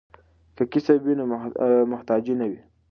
که کسب وي نو محتاجی نه وي.